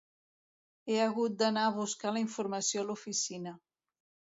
He hagut d'anar a buscar la informació a l'oficina.